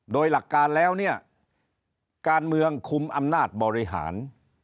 โดยหลักการแล้วเนี่ยการเมืองคุมอำนาจบริหาร